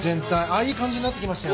あっいい香りになってきました。